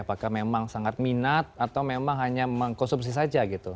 apakah memang sangat minat atau memang hanya mengkonsumsi saja gitu